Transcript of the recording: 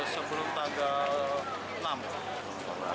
sebelum tanggal enam